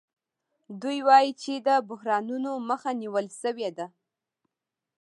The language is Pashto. دوی وايي چې د بحرانونو مخه نیول شوې ده